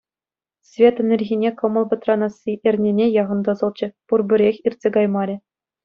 Светӑн ирхине кӑмӑл пӑтранасси эрнене яхӑн тӑсӑлчӗ, пурпӗрех иртсе каймарӗ.